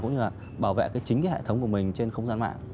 cũng như là bảo vệ chính cái hệ thống của mình trên không gian mạng